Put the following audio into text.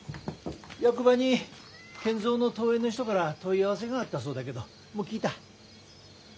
役場に賢三の遠縁の人から問い合わせがあったそうだけどもう聞いた？